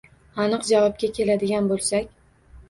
Aniq javobga keladigan bo‘lsak